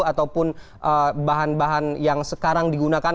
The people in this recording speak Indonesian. ataupun bahan bahan yang sekarang digunakan